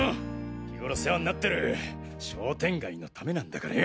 日頃世話になってる商店街のためなんだからよ。